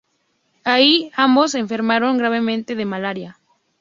Allí ambos enfermaron gravemente de malaria.